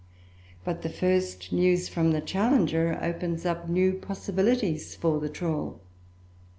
But the first news from the Challenger opens up new possibilities for the trawl.